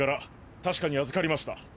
確かに預かりました。